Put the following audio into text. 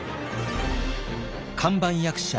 看板役者